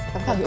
tác phẩm số ba